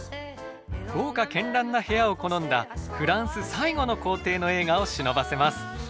豪華絢爛な部屋を好んだフランス最後の皇帝の栄華をしのばせます。